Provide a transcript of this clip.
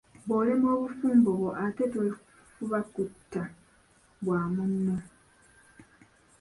Bw'olemwa obufumbo bwo ate tofuba kutta bwa munno.